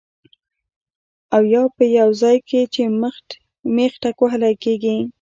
او يا پۀ يو ځائے کې چې مېخ ټکوهلی کيږي